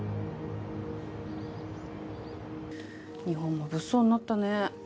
日本も物騒になったね。